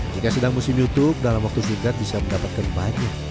jika sedang musim youtube dalam waktu singkat bisa mendapatkan banyak